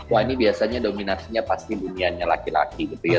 wah ini biasanya dominasinya pasti dunianya laki laki gitu ya